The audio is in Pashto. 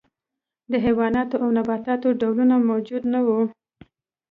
د حیواناتو او نباتاتو ډولونه موجود نه وو.